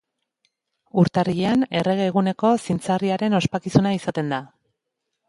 Urtarrilean errege eguneko zintzarriaren ospakizuna izaten da.